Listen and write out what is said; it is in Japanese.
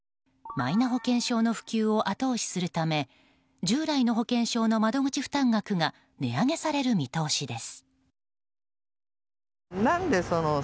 マイナ保険証の普及を後押しするため従来の保険証の窓口負担額が値上げされる見通しです。